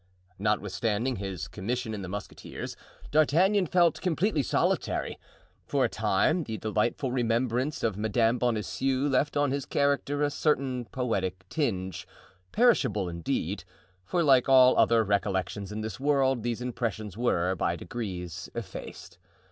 Notwithstanding his commission in the musketeers, D'Artagnan felt completely solitary. For a time the delightful remembrance of Madame Bonancieux left on his character a certain poetic tinge, perishable indeed; for like all other recollections in this world, these impressions were, by degrees, effaced.